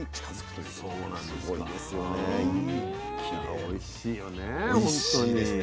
おいしいですね。